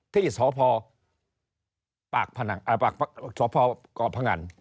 ที่สภกพอ